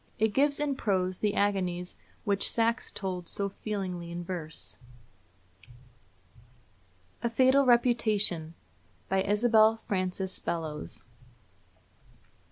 It gives in prose the agonies which Saxe told so feelingly in verse: A FATAL REPUTATION. BY ISABEL FRANCES BELLOWS.